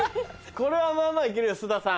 これはまぁまぁ行けるよ須田さん。